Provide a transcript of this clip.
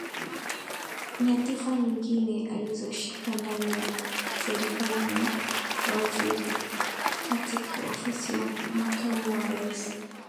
Nyadhifa nyingine alizoshika ndani ya Serikali ni Waziri katika Ofisi ya Makamu wa Rais